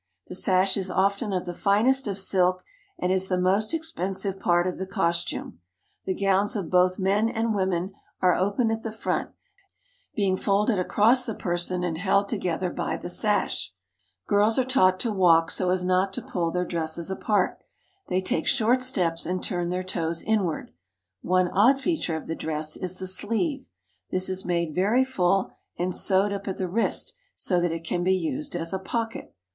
The sash is often of the finest of silk, and is the most expensive part of the costume. The gowns of both men and women are open at the front, being folded across the person and held together by the sash. Girls are taught figures up the sum ■ TOKYO 43 to walk so as not to pull their dresses apart. They take short steps and turn their toes inward. One odd feature of the dress is the sleeve. This is made very full and sewed up at the wrist so that it can be used as a pocket.